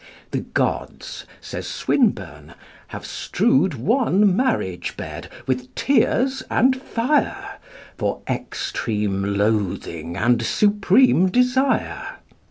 The gods, says Swinburne, "Have strewed one marriage bed with tears and fire, For extreme loathing and supreme desire."